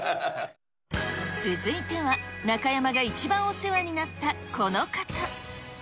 続いては、中山が一番お世話になったこの方。